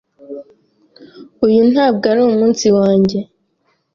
Uyu ntabwo ari umunsi wanjye.